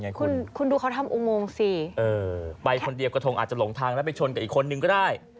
เออไปคนเดียวกระทงอาจจะหลงทางแล้วไปชนกับอีกคนนึงก็ได้